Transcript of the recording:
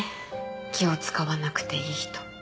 気を使わなくていい人。